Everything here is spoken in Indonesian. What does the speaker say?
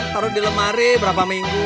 taruh di lemari berapa minggu